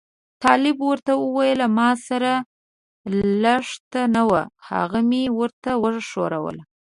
طالب ورته وویل ما سره لښته وه هغه مې ورته وښوروله.